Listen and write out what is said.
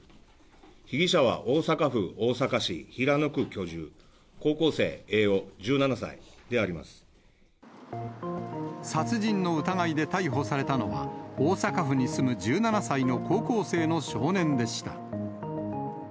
被疑者は大阪府大阪市平野区居住、殺人の疑いで逮捕されたのは、大阪府に住む１７歳の高校生の少年でした。